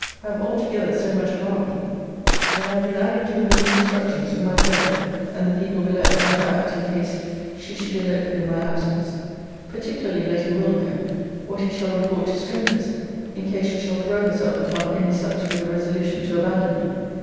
have, all together, so much alarmed me, that I have been adding to the written instructions for my fellow and the people below how to act in case she should elope in my absence: particularly letting Will. know what he shall report to strangers in case she shall throw herself upon any such with a resolution to abandon me.